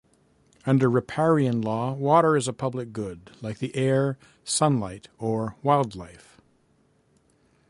Under riparian law, water is a public good like the air, sunlight, or wildlife.